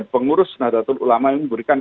pengurus nah datul ulama ini memberikan